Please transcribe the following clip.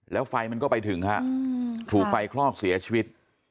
แล้วไฟมันก็ไปถึงฮะถูกไฟคลอกเสียชีวิต